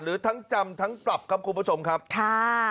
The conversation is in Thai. หรือทั้งจำทั้งปรับครับคุณผู้ชมครับค่ะ